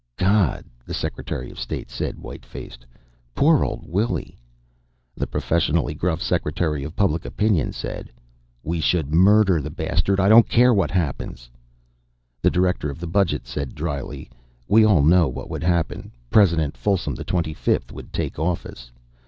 "God," the Secretary of State said, white faced. "Poor old Willy!" The professionally gruff Secretary of Public Opinion said: "We should murder the bastard. I don't care what happens " The Director of the Budget said dryly: "We all know what would happen. President Folsom XXV would take office.